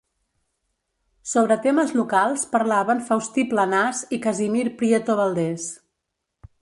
Sobre temes locals parlaven Faustí Planàs i Casimir Prieto Valdés.